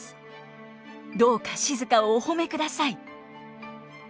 どうか静をお褒めください」。